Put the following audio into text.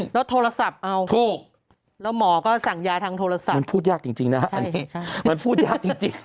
แล้วโทรศัพท์เอาถูกแล้วหมอก็สั่งยาทางโทรศัพท์มันพูดยากจริงนะฮะอันนี้มันพูดยากจริง